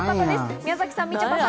宮崎さん、みちょぱさん。